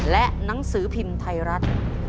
และหนังสือพิมพ์ไทยรัฐ